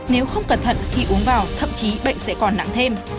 nếu không cẩn thận khi uống vào thậm chí bệnh sẽ còn nặng thêm